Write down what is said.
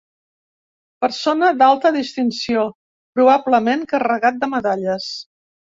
Persona d'alta distinció, probablement carregat de medalles.